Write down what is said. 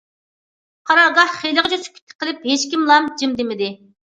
قارارگاھ خېلىغىچە سۈكۈتتە قېلىپ ھېچكىم لام- جىم دېمىدى.